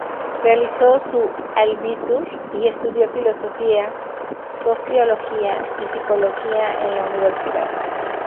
Realizó su "abitur" y estudió Filosofía, Sociología y Psicología en la universidad.